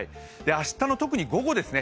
明日の特に午後ですね